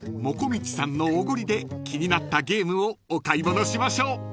［もこみちさんのおごりで気になったゲームをお買い物しましょう］